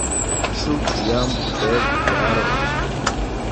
Ĉu jam dek jaroj?